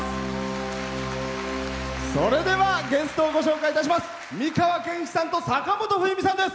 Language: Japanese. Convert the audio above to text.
それでは、ゲストをご紹介いたします。